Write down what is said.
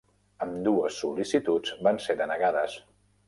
Ambdues sol·licituds van ser denegades.